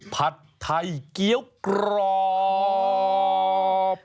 ผัดไทยเกี้ยวกรอบ